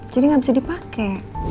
jadi gak bisa dipake